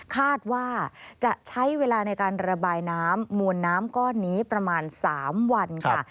คาดว่าจะใช้เวลาในการระบายน้ำมวลน้ำก้อนนี้ประมาณ๓วันค่ะ